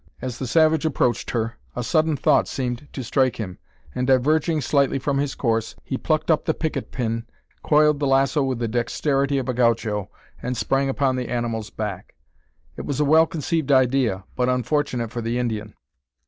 As the savage approached her, a sudden thought seemed to strike him, and diverging slightly from his course, he plucked up the picket pin, coiled the lasso with the dexterity of a gaucho, and sprang upon the animal's back. It was a well conceived idea, but unfortunate for the Indian.